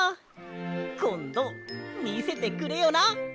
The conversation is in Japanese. こんどみせてくれよな！